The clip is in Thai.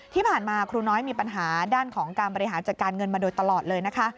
ที่ผ่านมาครูน้อยมีปัญหาด้านของการบริหารจัดการเงินมาโดยตลอดเลยนะคะ